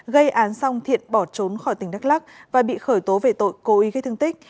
gây án xong thiện bỏ trốn khỏi tỉnh đắk lắc và bị khởi tố về tội cố ý gây thương tích